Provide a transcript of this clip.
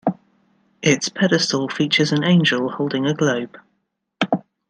Its pedestal features an angel holding a globe.